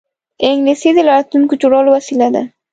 انګلیسي د راتلونکې د جوړولو وسیله ده